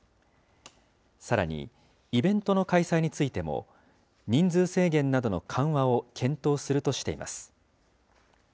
さらにイベントの開催についても、人数制限などの緩和を検討するとしています。